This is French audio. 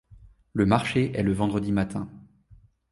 Le marché est le vendredi matin.